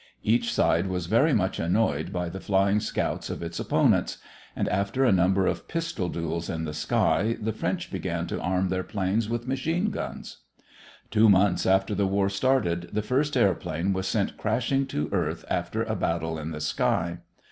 Each side was very much annoyed by the flying scouts of its opponents and after a number of pistol duels in the sky the French began to arm their planes with machine guns. Two months after the war started the first airplane was sent crashing to earth after a battle in the sky.